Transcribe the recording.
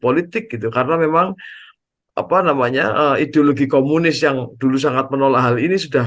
politik gitu karena memang apa namanya ideologi komunis yang dulu sangat menolak hal ini sudah